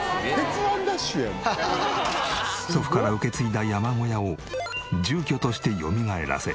祖父から受け継いだ山小屋を住居としてよみがえらせ。